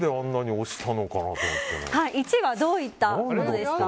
１位はどういったものですか。